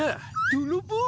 泥棒！